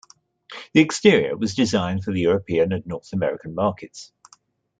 The exterior was designed for the European and North American markets.